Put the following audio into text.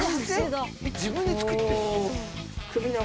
自分で作ってるの？